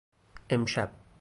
امشب